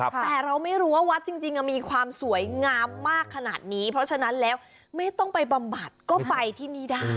แต่เราไม่รู้ว่าวัดจริงมีความสวยงามมากขนาดนี้เพราะฉะนั้นแล้วไม่ต้องไปบำบัดก็ไปที่นี่ได้